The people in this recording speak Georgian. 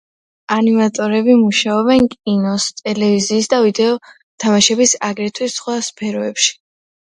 ანიმატორები მუშაობენ კინოს, ტელევიზიის და ვიდეო თამაშების, აგრეთვე სხვა სფეროებში.